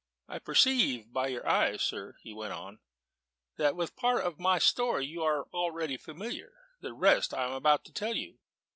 "I perceive by your eyes, sir," he went on, "that with a part of my story you are already familiar: the rest I am about to tell you.